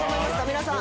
皆さん。